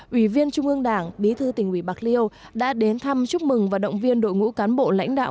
ủy viên trung ương đảng bí thư tỉnh ủy bạc liêu đã đến thăm chúc mừng và động viên đội ngũ cán bộ lãnh đạo